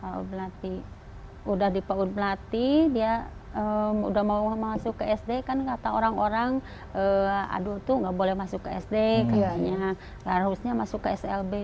kalau belati udah di paut melati dia udah mau masuk ke sd kan kata orang orang aduh tuh gak boleh masuk ke sd katanya harusnya masuk ke slb